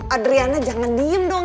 adriana jangan diem dong